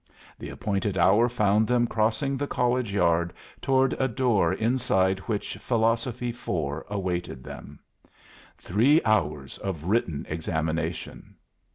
The appointed hour found them crossing the college yard toward a door inside which Philosophy 4 awaited them: three hours of written examination!